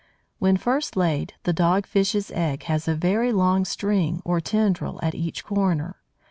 When first laid, the Dog fish's egg has a very long string or tendril at each corner.